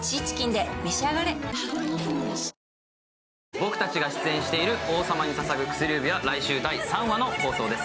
僕たちが出演している「王様に捧ぐ薬指」は来週、第３話の放送です。